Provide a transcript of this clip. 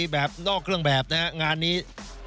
แบบนอกเครื่องแบบนะฮะงานนี้